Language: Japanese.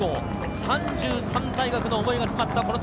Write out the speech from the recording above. ３３大学の思いが詰まったこの襷。